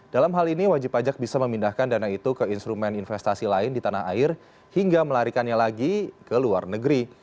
dalam hal ini wajib pajak bisa memindahkan dana itu ke instrumen investasi lain di tanah air hingga melarikannya lagi ke luar negeri